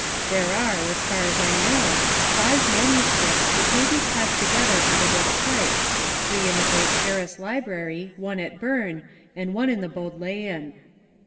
There are, as far as I know, Text^foi five MSS. which may be classed together under this p^fthier. type, three in the Great Paris Library, one at Bern, and one in the Bodleian.